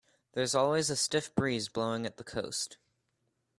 There's always a stiff breeze blowing at the coast.